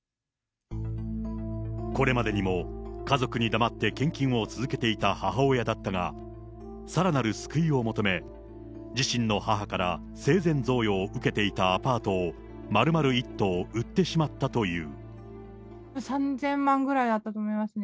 これまでにも家族に黙って献金を続けていた母親だったが、さらなる救いを求め、自身の母から生前贈与を受けていたアパートをまるまる１棟売って３０００万ぐらいあったと思いますね。